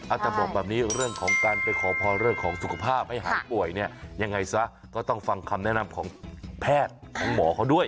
จะบอกแบบนี้เรื่องของการไปขอพรเรื่องของสุขภาพให้หายป่วยเนี่ยยังไงซะก็ต้องฟังคำแนะนำของแพทย์ของหมอเขาด้วย